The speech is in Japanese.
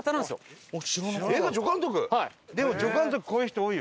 でも助監督こういう人多いよ。